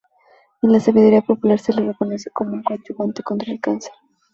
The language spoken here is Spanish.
En la sabiduría popular, se le reconoce como un coadyuvante contra el cáncer.